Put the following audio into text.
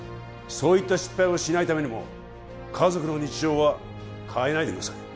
そういった失敗をしないためにも家族の日常は変えないでください